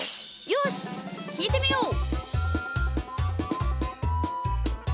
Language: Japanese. よしきいてみよう！